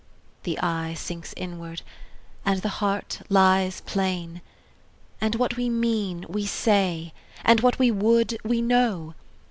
The eye sinks inward, and the heart lies plain, And what we mean, we say, and what we would, we know.